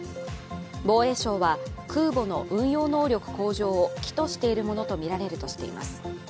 防衛省は、空母の運用能力向上を企図しているものとみられるとしています。